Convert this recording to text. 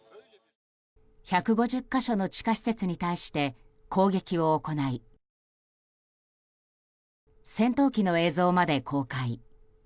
１５０か所の地下施設に対して攻撃を行い戦闘機の映像まで公開。